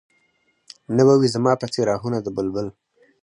نه به وي زما په څېر اهونه د بلبل